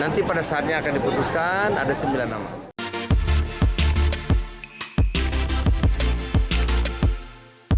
nanti pada saatnya akan diputuskan ada sembilan nama